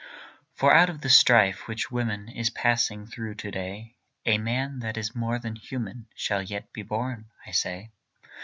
For out of the strife which woman Is passing through to day, A man that is more than human Shall yet be born, I say.